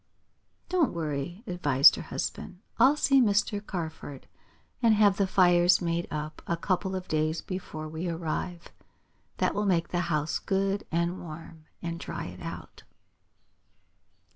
"Don't worry," advised her husband. "I'll see Mr. Carford, and have the fires made up a couple of days before we arrive. That will make the house good and warm, and dry it out."